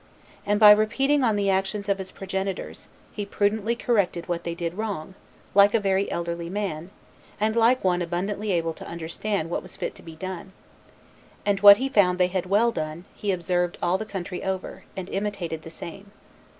And by repeating on the actions of his progenitors, he prudently corrected what they did wrong, like a very elderly man, and like one abundantly able to understand what was fit to be done; and what he found they had well done, he observed all the country over, and imitated the same.